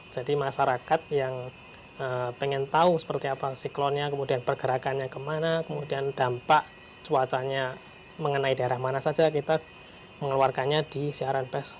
jadi masyarakat yang ingin tahu seperti apa siklonnya kemudian pergerakannya kemana kemudian dampak cuacanya mengenai daerah mana saja kita mengeluarkannya di siaran pers